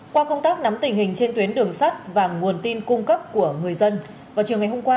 qua công tác nắm tình hình trên tuyến đường sắt và nguồn tin cung cấp của người dân vào chiều ngày hôm qua